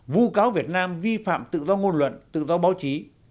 vụ cáo việt nam vi phạm tự do ngôn luận tự do báo chí